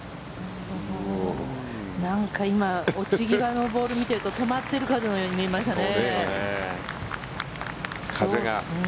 なんか今落ち際のボールを見ていると止まっているかのように見えましたね。